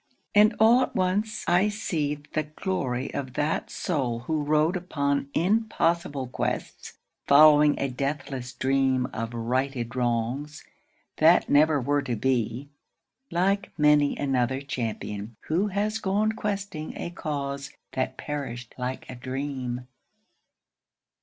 And all at once I see The glory of that soul who rode upon Impossible quests, following a deathless dream Of righted wrongs, that never were to be, Like many another champion who has gone Questing a cause that perished like a dream.